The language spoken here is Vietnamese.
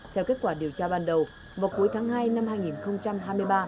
theo kết quả điều tra ban đầu vào cuối tháng hai năm hai nghìn hai mươi ba